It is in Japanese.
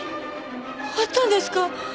終わったんですか？